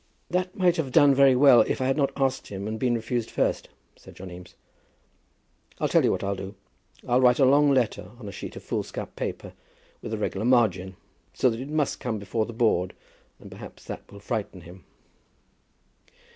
"That might have done very well if I had not asked him and been refused first," said John Eames. "I'll tell you what I'll do, I'll write a long letter on a sheet of foolscap paper, with a regular margin, so that it must come before the Board, and perhaps that will frighten him."